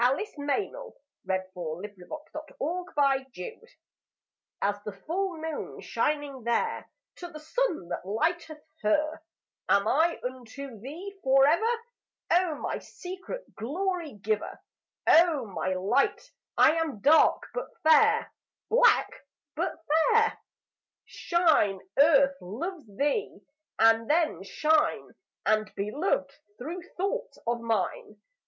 THE POET SINGS TO HER POET THE MOON TO THE SUN As the full moon shining there To the sun that lighteth her Am I unto thee for ever, O my secret glory giver! O my light, I am dark but fair, Black but fair. Shine, Earth loves thee! And then shine And be loved through thoughts of mine.